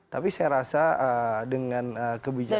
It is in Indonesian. tapi saya rasa dengan kebijakan